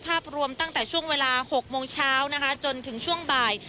ภาพรวมตั้งแต่ช่วงเวลา๖โมงเช้านะคะจนถึงช่วงบ่าย